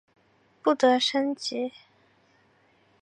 不得升级。